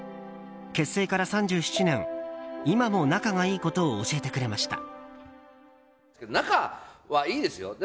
結成から３７年今も仲がいいことを教えてくれました。